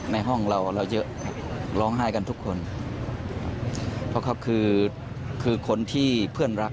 ในห้องเราเราเยอะร้องไห้กันทุกคนเพราะเขาคือคือคนที่เพื่อนรัก